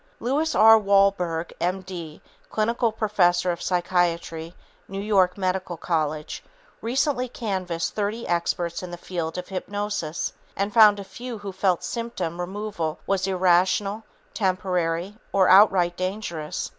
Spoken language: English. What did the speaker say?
Lewis R. Wolberg, M.D., clinical professor of psychiatry, New York Medical College, recently canvassed 30 experts in the field of hypnosis and found a few who felt symptom removal was "irrational, temporary or outright dangerous."